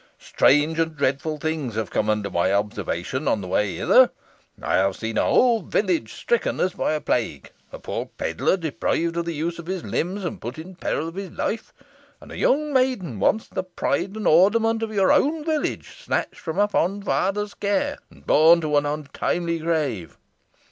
Strange and dreadful things have come under my observation on my way hither. I have seen a whole village stricken as by a plague a poor pedlar deprived of the use of his limbs and put in peril of his life and a young maiden, once the pride and ornament of your own village, snatched from a fond father's care, and borne to an untimely grave.